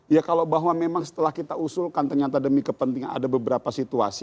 ya kalau bahwa memang setelah kita usulkan ternyata demi kepentingan ada beberapa situasi